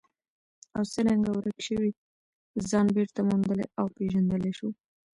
او څرنګه ورک شوی ځان بېرته موندلی او پېژندلی شو.